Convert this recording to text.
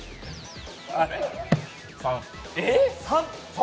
３。